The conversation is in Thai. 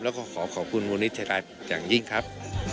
แล้วก็ขอขอบคุณมณิเทศกาลที่อย่างยิ่งครับ